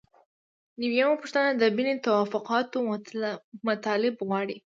نوي یمه پوښتنه د بن توافقاتو مطالب غواړي.